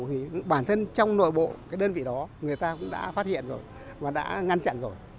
thì bản thân trong nội bộ cái đơn vị đó người ta cũng đã phát hiện rồi và đã ngăn chặn rồi